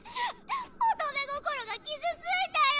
乙女心が傷ついたよ！